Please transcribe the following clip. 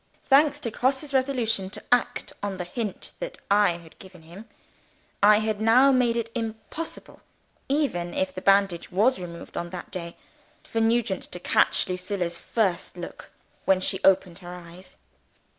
Thanks to Grosse's resolution to act on the hint that I had given to him, I had now made it impossible even if the bandage was removed on that day for Nugent to catch Lucilla's first look when she opened her eyes.